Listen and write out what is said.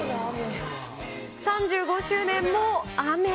３５周年も雨。